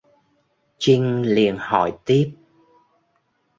Chinh liền hỏi tiếp